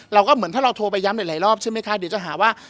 เราก็เหมือนถ้าเราโทรไปย้ำหลายรอบใช่ไหมคะเดี๋ยวจะหาว่า